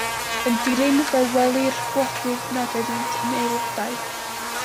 Yn dilyn, fe welir gwledydd nad ydynt yn aelodau.